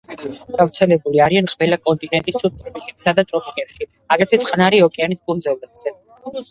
გავრცელებული არიან ყველა კონტინენტის სუბტროპიკებსა და ტროპიკებში, აგრეთვე წყნარი ოკეანის კუნძულებზე.